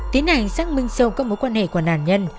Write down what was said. tiến hành xác minh sâu các mối quan hệ của nạn nhân